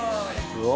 ・うわ！